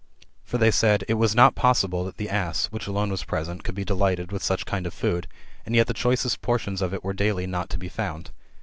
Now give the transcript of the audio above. For they said, it was not possible that the ass, which alone was present, could be delighted with such kind of food: and yet the choicest portions of it were daily not to be found.